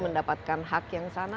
mendapatkan hak yang sana